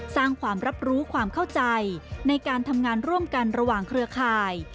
สร้างความรับรู้ความเข้าใจในการทำงานร่วมกันระหว่างเครือข่าย